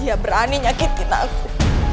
dia berani nyakitin aku